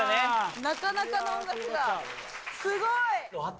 なかなかの音楽がすごい！